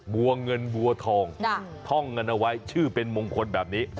บัวเงินบัวทองท่องกันเอาไว้ชื่อเป็นมงคลแบบนี้